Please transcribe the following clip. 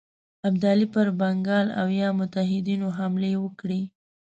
ابدالي پر بنګال او یا متحدینو حمله وکړي.